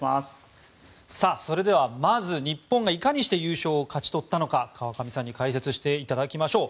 それではまず日本がいかに優勝を勝ち取ったのか川上さんに解説していただきましょう。